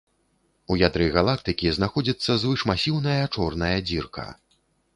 У ядры галактыкі знаходзіцца звышмасіўная чорная дзірка.